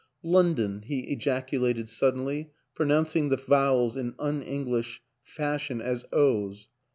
" London," he ejaculated suddenly, pronounc ing the vowels in un English fashion as O's.